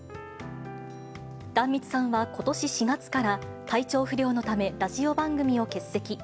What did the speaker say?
壇蜜さんはことし４月から、体調不良のためラジオ番組を欠席。